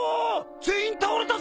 全員倒れたぞ！